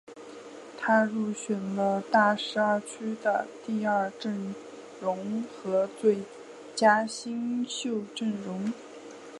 他入选了大十二区的第二阵容和最佳新秀阵容。